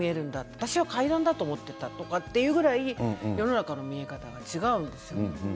私は階段に見えるんだというぐらい世の中の見え方が違うんです。